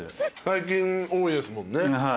最近多いですもんね。